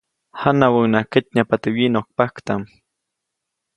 Janawäʼuŋnaʼajk ketnyajpa teʼ wyiʼnokpaktaʼm.